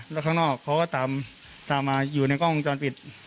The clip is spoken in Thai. แล้วข้างนอกเขาก็ตามมาอยู่ในกล้องวงจรปิด